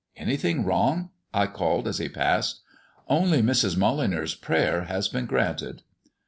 "Anything wrong?" I called as he passed me. "Only Mrs. Molyneux's prayer has been granted."